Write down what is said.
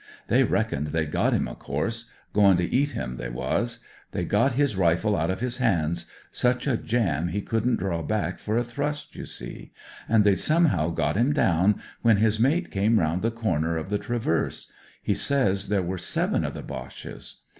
They reckoned they'd got him, of course ; goin' to eat him, they was. They'd got his rifle out of his hands; such a jam he couldn't draw back for a thrust, you see. And they'd somehow got him down, when his mate came round the comer of the traverse. He says there were seven of the Boches.